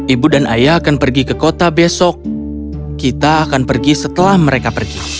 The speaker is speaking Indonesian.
ibu dan ayah akan pergi ke kota besok kita akan pergi setelah mereka pergi